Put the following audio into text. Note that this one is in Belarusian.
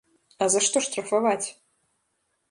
А за што штрафаваць?